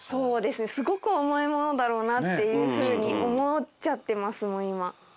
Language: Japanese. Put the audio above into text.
すごく重いものだろうなっていうふうに思っちゃってますもん今。